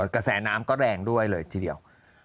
กระแสน้ำก็แรงด้วยเลยทีเดียว